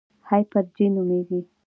هایپرجي نومېږي.